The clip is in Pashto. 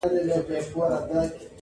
که په اوړي په سفر به څوک وتله.